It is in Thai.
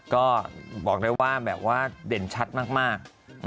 ก็บอกได้ว่าแบบว่าเด่นชัดมาก